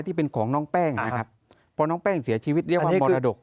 ที่เป็นของน้องแป้งนะครับพอน้องแป้งเสียชีวิตเรียกว่ามรดก